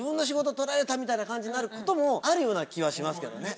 みたいな感じになることもあるような気はしますけどね。